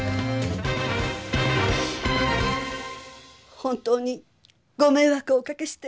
本当にごめいわくをおかけして。